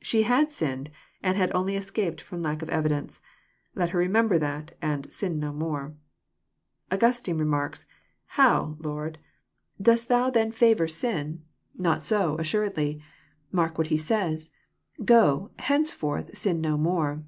She had sinned, and had only escaped from lack of evidence. Let her remember that, and " sin no tuore." Angnstine remarks, <'How, Lord? Dost thou then favour 1 74 EXPOSITORY THOUGHTS. sin? Not 80, assuredly. Mark what He says : Go, henceforth sin no more.